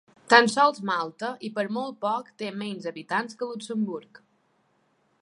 Tan sols Malta, i per molt poc, té menys habitants que Luxemburg.